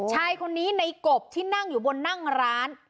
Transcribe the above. ชายคนนี้ในกบที่นั่งอยู่บนนั่งร้าน